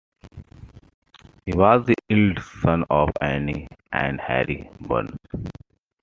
He was the eldest son of Anne and Harry Burns.